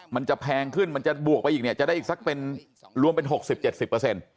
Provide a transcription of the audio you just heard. มันจะแพงขึ้นมันจะบวกไปอีกเนี่ยจะได้อีกสักเป็นรวมเป็นหกสิบเจ็ดสิบเปอร์เซ็นต์